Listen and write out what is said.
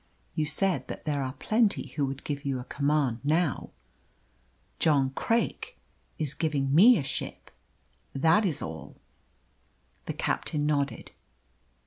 You said that there are plenty who would give you a command now. John Craik is giving me a ship, that is all." The captain nodded.